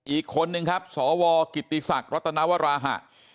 อีกคนนึงครับสวกิติศักดิ์รัตนวราหะ